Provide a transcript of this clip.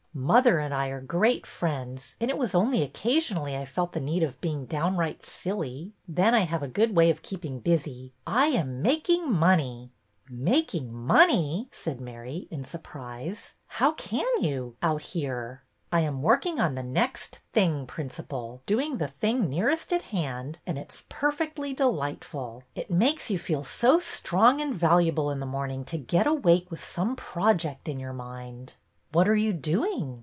Mother and I are great friends and it was only occasionally I felt the need of being down right silly. Then I have a good way of keeping busy. I am — making money !"'' Making money," said Mary, in surprise. ''How can you, out here?" " I am working on ' The Next Thing ' principle, doing the thing nearest at hand and it's perfectly delightful. It makes you feel so strong and valu able in the morning to get awake with some pro ject in your mind." "What are you doing?"